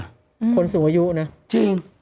คนสูงอายุนะจริง